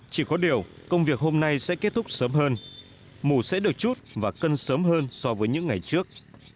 chỉ có điều công việc hôm nay sẽ kết thúc sớm hơn mổ sẽ được chút và cân sớm hơn so với những ngày trước